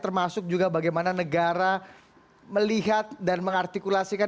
termasuk juga bagaimana negara melihat dan mengartikulasikan